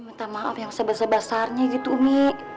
minta maaf yang sebesar besarnya gitu umi